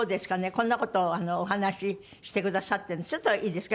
こんな事をお話ししてくださってるんでちょっといいですか？